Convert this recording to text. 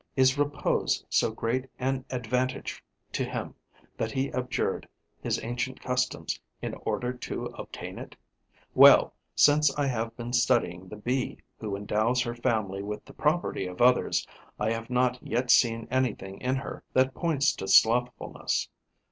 Is repose so great an advantage to him that he abjured his ancient customs in order to obtain it? Well, since I have been studying the Bee who endows her family with the property of others, I have not yet seen anything in her that points to slothfulness.